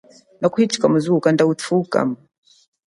Nakuhichika muzu kanda uthuhu kamo.